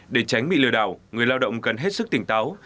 để tránh bị lừa đảo người lao động cần hết sức tỉnh táo